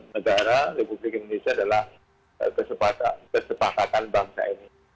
negara republik indonesia adalah kesepakatan bangsa ini